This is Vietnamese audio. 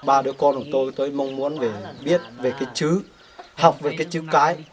ba đứa con của tôi tôi mong muốn biết về cái chữ học về cái chữ cái